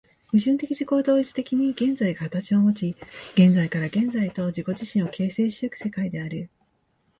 矛盾的自己同一的に現在が形をもち、現在から現在へと自己自身を形成し行く世界である。